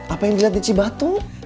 apa yang dilihat di cibatu